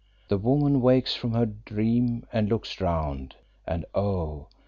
The woman wakes from her dream and looks round, and oh!